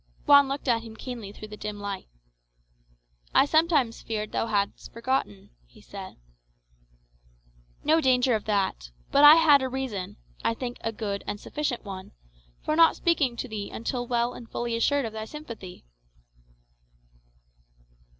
Juan looked at him keenly through the dim light. "I sometimes feared thou hadst forgotten," he said. "No danger of that. But I had a reason I think a good and sufficient one for not speaking to thee until well and fully assured of thy sympathy."